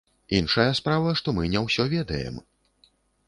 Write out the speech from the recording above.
Іншая справа, што мы не ўсё ведаем.